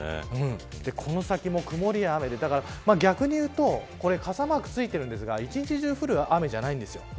この先も曇りや雨で逆にいうと傘マークついているんですが一日中降る雨じゃないんです。